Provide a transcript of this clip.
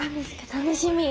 楽しみ。